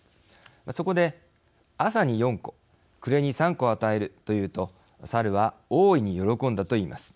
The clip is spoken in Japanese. そこで「朝に４個、暮れに３個与える」と言うと猿は大いに喜んだと言います。